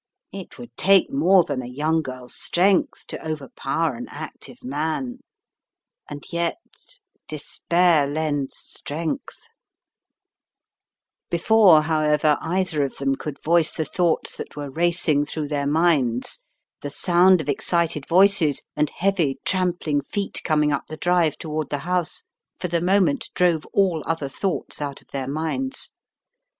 It would take more than a young girFs strength to overpower an active man, and yet — despair lends strength. Miss Cheyne Again 201 Before, however, either of them could voice the thoughts that were racing through their minds, the sound of excited voices, and heavy trampling feet coming up the drive toward the house for the mo ment drove all other thoughts out of their minds.